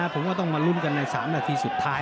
ก็ต้องมารุ้นจากในสามนาทีสุดท้าย